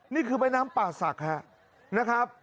นี่คือแม่น้ำป่าศักดิ์ครับนะครับ